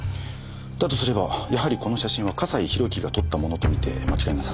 だとすればやはりこの写真は笠井宏樹が撮ったものと見て間違いなさそうですね。